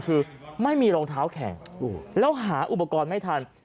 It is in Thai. เพราะเหตุผลคือไม่มีรองเท้าแข่งแล้วหาอุปกรณ์ไม่ทัน